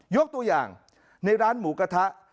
ยกตัวอย่างในร้านหมูกระทะ